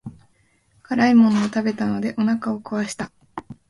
辛いものを食べたのでお腹を壊した。